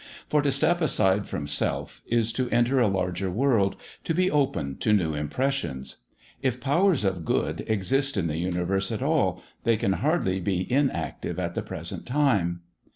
For to step aside from Self is to enter a larger world, to be open to new impressions. If Powers of Good exist in the universe at all, they can hardly be inactive at the present time....